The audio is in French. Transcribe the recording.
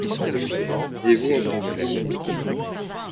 Et vous en prison.